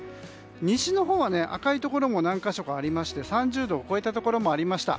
西のほうは赤いところも何か所かありまして３０度を超えたところもありました。